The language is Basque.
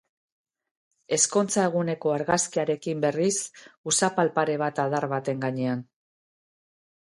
Ezkontza-eguneko argazkiarekin, berriz, usapal pare bat adar baten gainean.